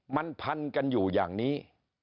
มันพันกันอยู่อย่างนี้